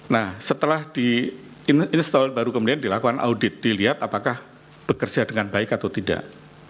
nah setelah di install baru kemudian dilakukan audit dilihat apakah bekerja dengan baik atau tidak